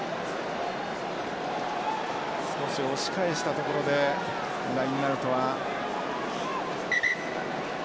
少し押し返したところでラインアウトは。